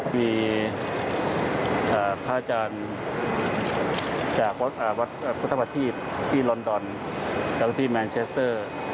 มีพระอาจารย์จากวัดพุทธประทีพที่ลอนดอนแล้วก็ที่แมนเชสเตอร์